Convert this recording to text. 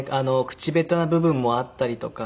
口下手な部分もあったりとか。